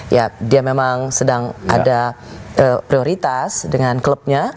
ya dia memang sedang ada prioritas dengan klubnya